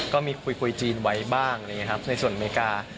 ก็มีคุยจีนไว้บ้างเลยไงครับในส่วนอเมริกา